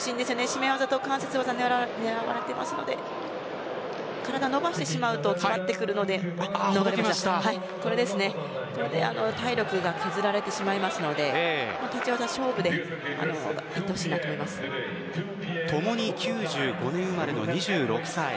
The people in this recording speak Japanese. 絞め技、接節技狙われていますので体を伸ばしてしまうと変わってくるので体力が削られてしまいますので立ち技勝負でともに９５年生まれの２６歳。